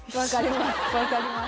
分かります